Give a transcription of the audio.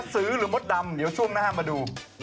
หรือมดดำเดี๋ยวช่วงหน้ามาดู